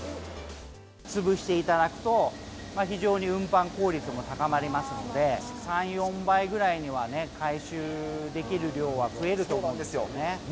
潰していただくと、非常に運搬効率も高まりますので、３、４倍ぐらいにはね、回収できる量は増えると思うんですよね。